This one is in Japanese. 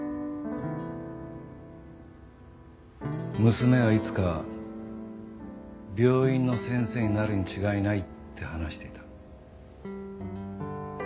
娘はいつか病院の先生になるに違いないって話していた。